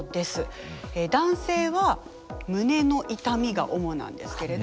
男性は胸の痛みが主なんですけれど。